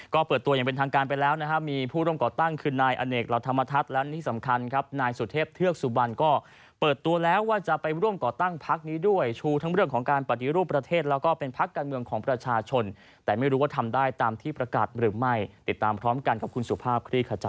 ก็เปิดตัวอย่างเป็นทางการไปแล้วนะครับมีผู้ร่วมก่อตั้งคือนายอเนกรัฐธรรมทัศน์และที่สำคัญครับนายสุเทพเทือกสุบันก็เปิดตัวแล้วว่าจะไปร่วมก่อตั้งพักนี้ด้วยชูทั้งเรื่องของการปฏิรูปประเทศแล้วก็เป็นพักการเมืองของประชาชนแต่ไม่รู้ว่าทำได้ตามที่ประกาศหรือไม่ติดตามพร้อมกันกับคุณสุภาพคลี่ขจา